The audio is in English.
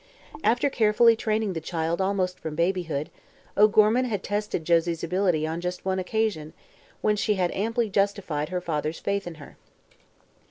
After carefully training the child almost from babyhood, O'Gorman had tested Josie's ability on just one occasion, when she had amply justified her father's faith in her.